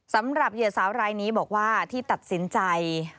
เหยื่อสาวรายนี้บอกว่าที่ตัดสินใจ